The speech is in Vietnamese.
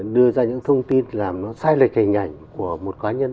đưa ra những thông tin làm nó sai lệch hình ảnh của một cá nhân